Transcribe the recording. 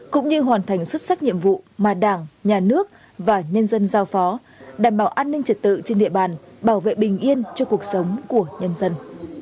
cũng như hoàn thành xuất sắc nhiệm vụ mà đảng nhà nước và nhân dân giao phó đảm bảo an ninh trật tự trên địa bàn bảo vệ bình yên cho cuộc sống của nhân dân